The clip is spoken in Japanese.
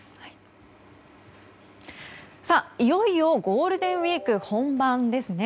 いよいよゴールデンウィーク本番ですね。